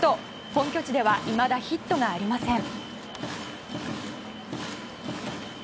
本拠地ではいまだヒットがありません。